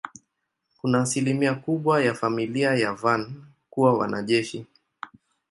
Kuna asilimia kubwa ya familia ya Van kuwa wanajeshi.